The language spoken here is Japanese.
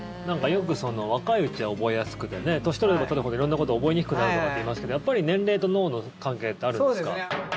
よく若いうちは覚えやすくて年取れば取るほど色んなことが覚えにくくなるとかって言いますけどやっぱり年齢と脳の関係ってあるんですか？